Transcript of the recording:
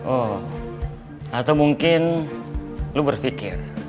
oh atau mungkin lu berpikir